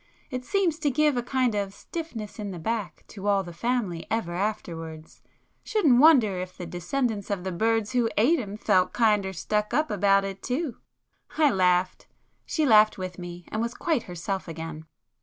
It seems to give a kind of stiffness in the back to all the family ever afterwards. Shouldn't wonder if the descendants of the birds who ate him felt kinder stuck up about it too!" I laughed,—she laughed with me, and was quite herself again.